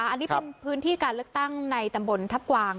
อันนี้เป็นพื้นที่การเลือกตั้งในตำบลทัพกวาง